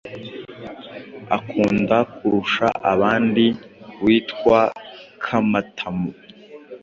akunda kurusha abandi witwa Kamatamu,